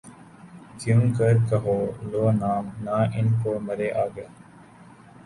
کیوں کر کہوں لو نام نہ ان کا مرے آگے